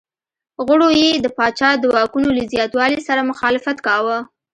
غړو یې د پاچا د واکونو له زیاتوالي سره مخالفت کاوه.